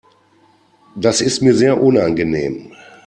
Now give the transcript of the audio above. Das ist mir sehr unangenehm.